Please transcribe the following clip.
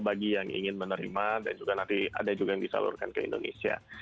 bagi yang ingin menerima dan juga nanti ada juga yang disalurkan ke indonesia